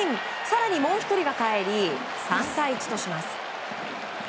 更に、もう１人がかえり３対１とします。